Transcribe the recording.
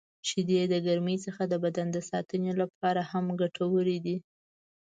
• شیدې د ګرمۍ څخه د بدن ساتنې لپاره هم ګټورې دي.